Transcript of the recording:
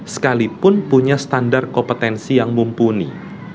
sekalipun punya standar kompetensi yang mumpuni